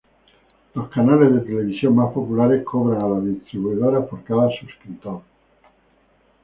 Los canales de televisión más populares cobran a las distribuidoras por cada suscriptor.